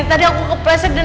tadi aku keplesek dan